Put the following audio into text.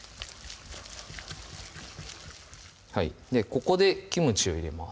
ここでキムチを入れます